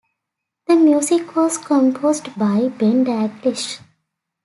The music was composed by Ben Daglish.